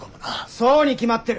そうに決まってる！